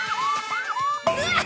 うわっ！